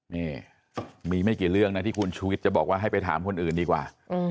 นี่มีไม่กี่เรื่องนะที่คุณชูวิทย์จะบอกว่าให้ไปถามคนอื่นดีกว่า